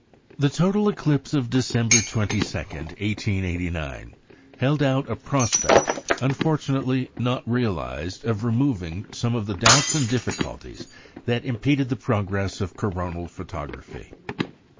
The total eclipse of December 22, 1889, held out a prospect, unfortunately not realized, of removing some of the doubts and difficulties that impeded the progress of coronal photography.